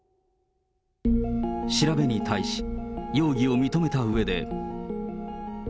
調べに対し、容疑を認めたうえで。